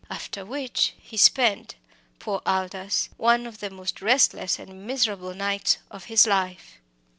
After which he spent poor Aldous! one of the most restless and miserable nights of his life.